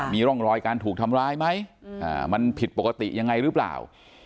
มีร่องรอยการถูกทำร้ายไหมมันผิดปกติยังไงหรือเปล่า